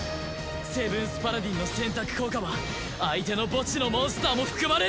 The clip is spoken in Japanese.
セブンス・パラディンの選択効果は相手の墓地のモンスターも含まれる！